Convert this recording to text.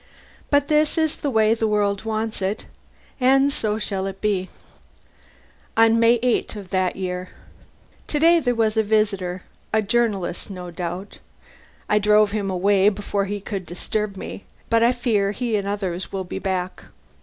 But this is the way the world wants it, and so shall it be." On May 8 of that year: "Today there was a visitor a journalist, no doubt. I drove him away before he could disturb me, but I fear he and others will be back.